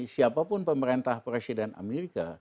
siapapun pemerintah presiden amerika